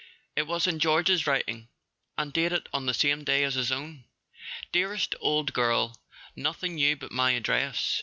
It was in George's writing, and dated on the same day as his own. "Dearest old girl, nothing new but my address.